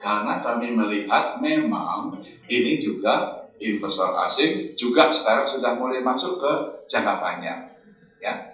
karena kami melihat memang ini juga investor asing juga sekarang sudah mulai masuk ke jangka panjang